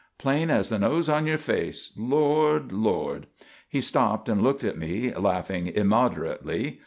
Plain as the nose on your face! Lord, Lord!" He stopped and looked at me, laughing immoderately.